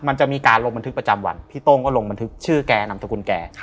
มันจะมีการลงบันทึกประจำวันพี่โต้งก็ลงบันทึกชื่อแกนามสกุลแก